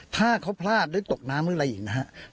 ถ้าเขาพลาดหรือตกน้ำหรืออะไรอีกนะครับ